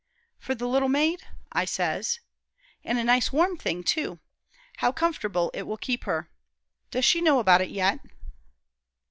'For the little maid?' I says. 'An' a nice, warm thing, too. How comfortable it will keep her! Does she know about it yet?'